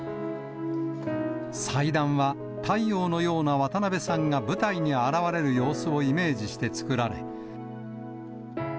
祭壇は、太陽のような渡辺さんが舞台に現れる様子をイメージして作られ。